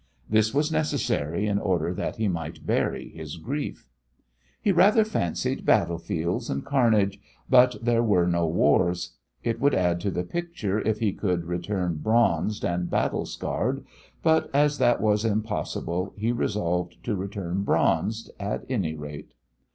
This was necessary in order that he might bury his grief. He rather fancied battle fields and carnage, but there were no wars. It would add to the picture if he could return bronzed and battle scarred, but as that was impossible, he resolved to return bronzed, at any rate.